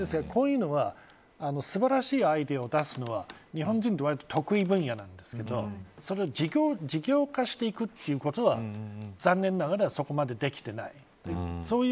ですから、こういうのは素晴らしいアイデアを出すのは日本人はわりと得意分野なんですけどそれを事業化していくということは残念ながらそこまでできていない